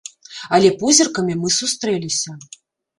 Але позіркамі мы сустрэліся.